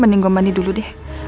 mending gue mandi dulu deh